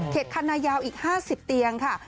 เขตคณะยาวอีก๕๐เตียงค่ะ